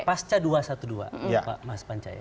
pasca dua ratus dua belas mas panca ya